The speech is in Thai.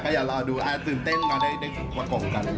ก็อย่ารอดูตื่นเต้นมาก่อนกัน